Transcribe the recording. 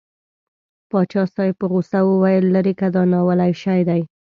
پاچا صاحب په غوسه وویل لېرې که دا ناولی شی دی.